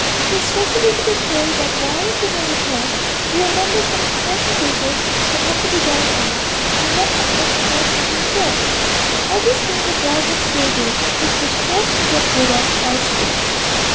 She has circulated a story that, while at dinner with her, you remembered some important business that had to be done at once, and left the house without shutting the door. By this means a dog had strayed in, which she was forced to get rid of by a stick.